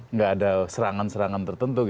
nggak ada serangan serangan tertentu